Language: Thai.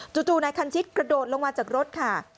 จู่นายคันชิตกระโดดลงมาจากรถค่ะ